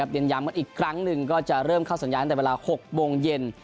เรียนย้ำเพราะอีกครั้งหนึ่งก็จะเข้าสัญญานักตั้งแต่เวลา๐๖๐๐น